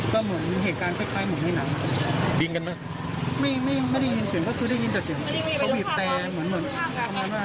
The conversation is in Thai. เดือดมากฮะ